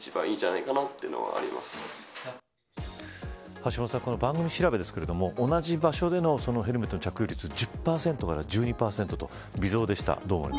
橋下さん番組調べですけれども同じ場所でのヘルメット着用率１０％が１２％と微増でした。